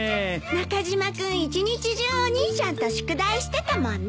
中島君一日中お兄ちゃんと宿題してたもんね。